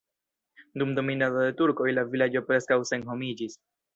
Dum dominado de turkoj la vilaĝo preskaŭ senhomiĝis.